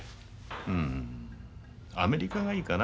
うんアメリカがいいかな。